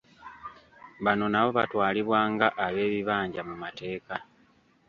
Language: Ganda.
Bano nabo batwalibwa nga ab'ebibanja mu mateeka.